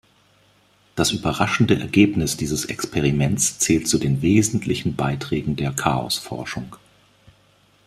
Das überraschende Ergebnis dieses Experiments zählt zu den wesentlichen Beiträgen der Chaosforschung.